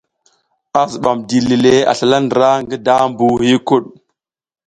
A zibam dili le a slala ndra le ngi daʼmbu huykuɗ.